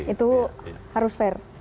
itu harus fair